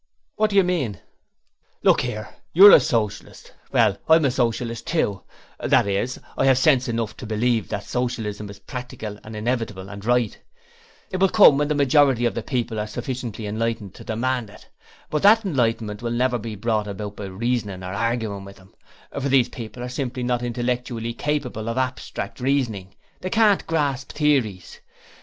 'What do you mean?' 'Look here: you're a Socialist; well, I'm a Socialist too: that is, I have sense enough to believe that Socialism is practical and inevitable and right; it will come when the majority of the people are sufficiently enlightened to demand it, but that enlightenment will never be brought about by reasoning or arguing with them, for these people are simply not intellectually capable of abstract reasoning they can't grasp theories.